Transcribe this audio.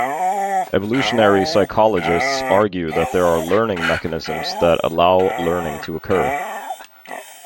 Evolutionary psychologists argue that there are learning mechanisms that allow learning to occur.